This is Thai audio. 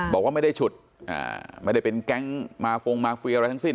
บอกว่าไม่ได้ฉุดไม่ได้เป็นแก๊งมาฟงมาเฟียอะไรทั้งสิ้น